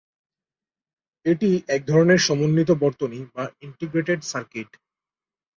এটি একধরনের সমন্বিত বর্তনী বা ইন্টিগ্রেটেড সার্কিট।